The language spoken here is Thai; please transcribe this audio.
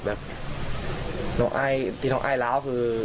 แบบน้องอายที่น้องอายล้าวคือ